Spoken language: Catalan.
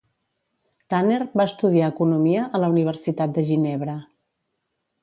Tanner va estudiar economia a la Universitat de Ginebra.